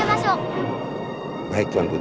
jangan lupa untuk berikan duit